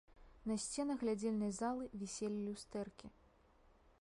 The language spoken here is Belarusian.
На сценах глядзельнай залы віселі люстэркі.